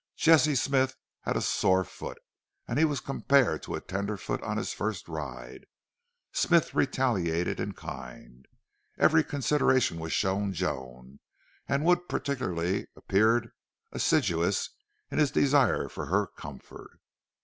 Jesse Smith had a sore foot and he was compared to a tenderfoot on his first ride. Smith retaliated in kind. Every consideration was shown Joan, and Wood particularly appeared assiduous in his desire for her comfort.